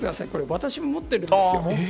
私も持ってるんですよ。